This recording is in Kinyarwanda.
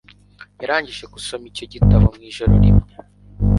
yarangije gusoma icyo gitabo mu ijoro rimwe.